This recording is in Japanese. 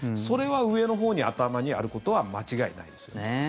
それは上のほうに頭にあることは間違いないです。